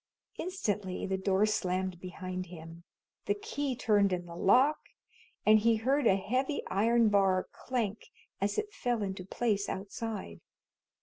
Instantly the door slammed behind him, the key turned in the lock, and he heard a heavy iron bar clank as it fell into place outside.